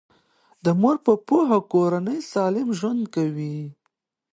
د مور په پوهه کورنۍ سالم ژوند کوي.